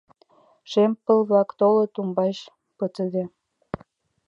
Шем пыл-влак толыт умбач, пытыде.